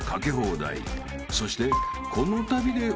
［そして］